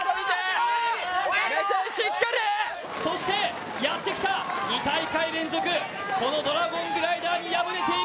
そしてやってきた、２大会連続、このドラゴングライダーに敗れている。